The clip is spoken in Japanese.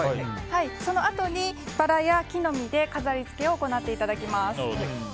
そのあとにバラや木の実で飾りつけを行っていただきます。